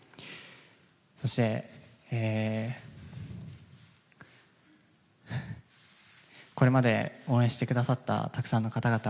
そして、これまで応援してくださったたくさんの方々